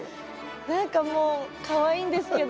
何かもうかわいいんですけど。